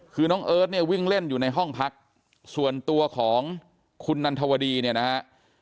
คือน้องเอิร์ทเนี่ยวิ่งเล่นอยู่ในห้องพักส่วนตัวของคุณนันทวดีเนี่ยนะฮะ